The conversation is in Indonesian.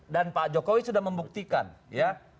dan pak jokowi sudah membuktikan ya